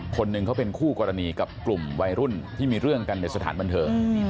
คนหนึ่งเขาเป็นคู่กรณีกับกลุ่มวัยรุ่นที่มีเรื่องกันในสถานบันเทิง